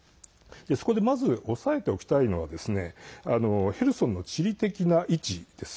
そこでまず押さえておきたいのはヘルソンの地理的な位置です。